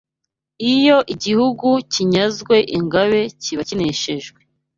Iyo igihugu kinyazwe Ingabe kiba kineshejwe